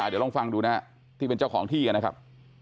เดี๋ยวลองฟังดูนะที่เป็นเจ้าของที่นะครับ